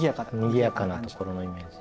にぎやかなところのイメージ。